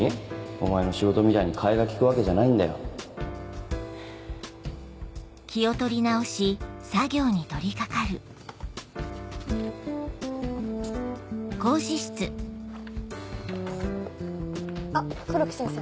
お前の仕事みたいに代えが利くわけじゃなあっ黒木先生。